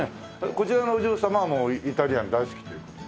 こちらのお嬢様はもうイタリアン大好きという事で。